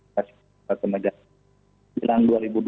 pada kemaren dua ribu dua puluh empat